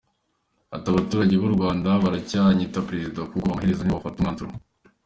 Ati “Abaturage b’u Rwanda baracyanyita Perezida kuko amaherezo nibo bafata umwanzuro.”